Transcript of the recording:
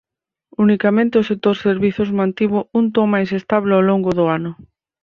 Unicamente o sector servicios mantivo un ton máis estable ó longo do ano.